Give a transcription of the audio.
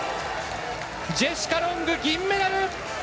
ジェシカ・ロング、銀メダル！